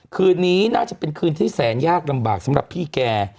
คืนนี้น่าจะเป็นคืนที่แสนยากลำบากสำหรับพี่แก